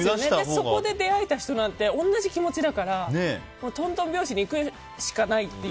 そこで出会えた人なんて同じ気持ちだからとんとん拍子にいくしかないと。